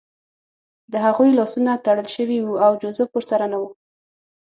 د هغوی لاسونه تړل شوي وو او جوزف ورسره نه و